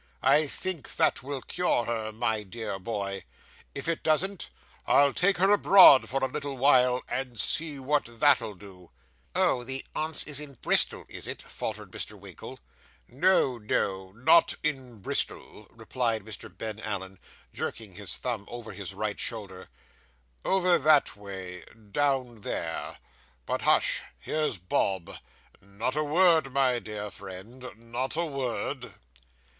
I think that will cure her, my boy. If it doesn't, I'll take her abroad for a little while, and see what that'll do.' 'Oh, the aunt's is in Bristol, is it?' faltered Mr. Winkle. 'No, no, not in Bristol,' replied Mr. Ben Allen, jerking his thumb over his right shoulder; 'over that way down there. But, hush, here's Bob. Not a word, my dear friend, not a word.